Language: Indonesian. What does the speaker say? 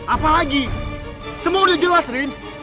apa lagi semua udah jelas rin